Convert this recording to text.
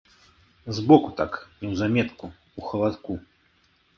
Збоку так, неўзаметку, у халадку.